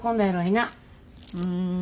うん。